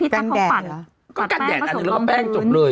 การแดดอะก็การแดดอันนึงแล้วก็แป้งจบเลย